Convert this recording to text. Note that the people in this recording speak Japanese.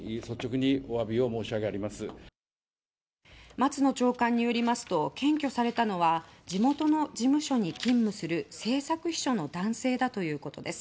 松野長官によりますと検挙されたのは地元の事務所に勤務する政策秘書の男性だということです。